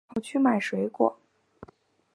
跑去买水果